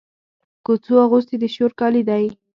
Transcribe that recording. کوڅو اغوستي د شور کالي دی